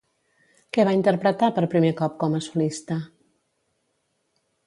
Què va interpretar per primer cop com a solista?